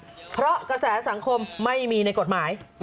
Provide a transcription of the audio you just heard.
ไปกดดันเพราะกระแสสังคมไม่มีในกฏหมาย